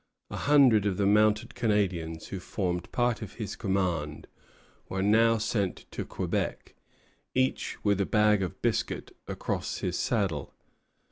A hundred of the mounted Canadians who formed part of his command were now sent to Quebec, each with a bag of biscuit across his saddle.